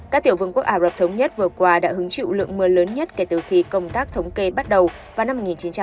các tiểu vương quốc ả rập thống nhất vừa qua đã hứng chịu lượng mưa lớn nhất kể từ khi công tác thống kê bắt đầu vào năm một nghìn chín trăm chín mươi